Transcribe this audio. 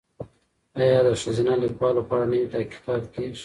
ایا د ښځینه لیکوالو په اړه نوي تحقیقات کیږي؟